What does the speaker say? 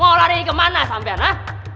mau lari kemana sampian ha